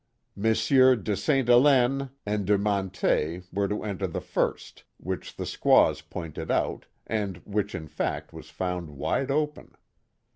Messieurs de Sainte Helene and de Mantet were to enter the first, which the squaws pointed out, and which in fact was found wide open.